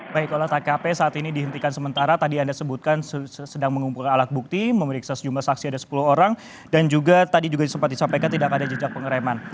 baik olah tkp saat ini dihentikan sementara tadi anda sebutkan sedang mengumpulkan alat bukti memeriksa sejumlah saksi ada sepuluh orang dan juga tadi juga sempat disampaikan tidak ada jejak pengereman